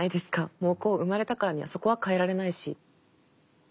もうこう生まれたからにはそこは変えられないし。